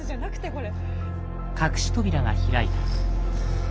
これ。